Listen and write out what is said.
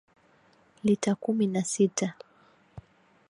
Lita kumi na sita